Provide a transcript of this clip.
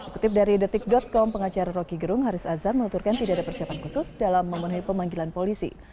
kutip dari detik com pengacara roky gerung haris azhar menuturkan tidak ada persiapan khusus dalam memenuhi pemanggilan polisi